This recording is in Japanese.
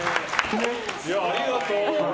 ありがとう。